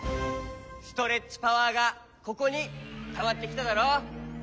ストレッチパワーがここにたまってきただろ。